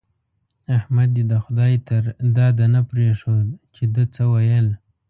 احمد دې د خدای تر داده نه پرېښود چې ده څه ويل.